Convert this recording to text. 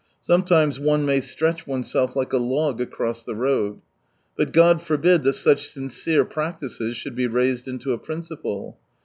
Sometimes one may stretch oneself like a log across the road. But God forbid that such sincere practices should be raised into a principle.